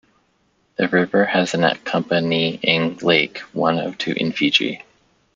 The river has an accompanying lake, one of two in Fiji.